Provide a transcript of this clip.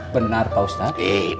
benar pak ustadz